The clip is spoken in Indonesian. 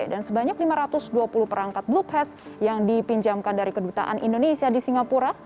dan sebanyak lima ratus dua puluh perangkat blue pass yang dipinjamkan dari kedutaan indonesia di singapura